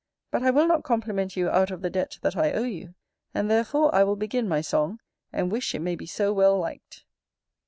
But I will not compliment you out of the debt that I owe you, and therefore I will begin my song, and wish it may be so well liked.